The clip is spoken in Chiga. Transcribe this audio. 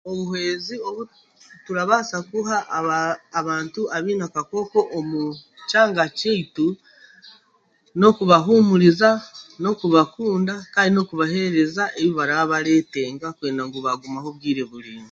Omuhwezi ou turabaasa kuha abantu abaine akakooko omu kyanga kyaitu n'okubahuumuriza n'okubakunda kandi n'okubaheereza ebi baraabareetenga kureeba ngu baamaraho obwire buraingwa